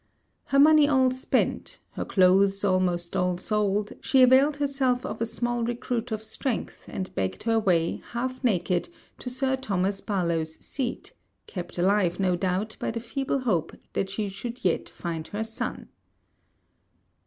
Her money all spent, her clothes almost all sold, she availed herself of a small recruit of strength, and begged her way, half naked, to Sir Thomas Barlowe's seat, kept alive, no doubt, by the feeble hope that she should yet find her son.